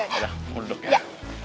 yaudah duduk ya